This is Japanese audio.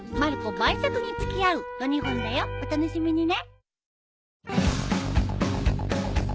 お楽しみにね。